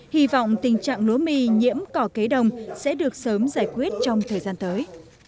hi vọng tình trạng lúa mì nhiễm cỏ cấy đồng sẽ được sớm giải quyết trong thời gian tới